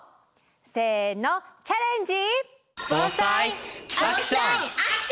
せのチャレンジ。